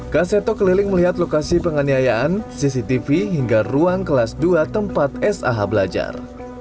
kak seto keliling melihat lokasi penganiayaan cctv hingga ruang kelas dua tempat sah belajar